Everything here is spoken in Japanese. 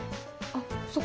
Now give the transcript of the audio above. あっそっか。